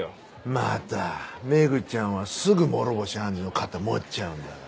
またメグちゃんはすぐ諸星判事の肩持っちゃうんだから。